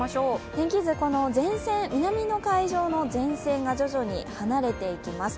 天気図、南の海上の前線が、徐々に離れていきます。